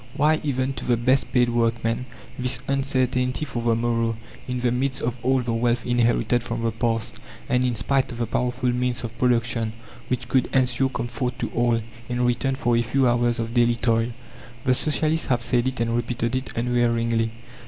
Why, even to the best paid workman, this uncertainty for the morrow, in the midst of all the wealth inherited from the past, and in spite of the powerful means of production, which could ensure comfort to all, in return for a few hours of daily toil? The Socialists have said it and repeated it unwearyingly.